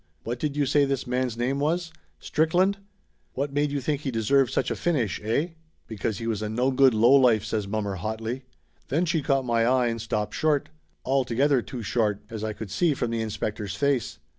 What did you say this man's name was? Strick land ? What made you think he deserved such a finish eh?" "Because he was a no good lowlife!" says mommer hotly. Then she caught my eye and stopped short. Al together too short, as I could see from the inspector's face.